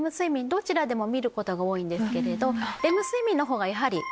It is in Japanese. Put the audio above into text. どちらでも見ることが多いけど。